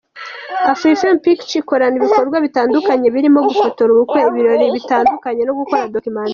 AfriFame Pictures, ikora ibikorwa bitandukanye birimo gufotora ubukwe, ibirori bitandukanye no gukora documentaire.